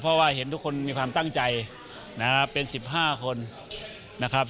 เพราะว่าเห็นทุกคนมีความตั้งใจนะครับเป็น๑๕คนนะครับ